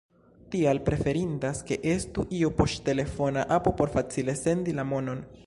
Tial preferindas ke estu iu poŝtelefona apo por facile sendi la monon.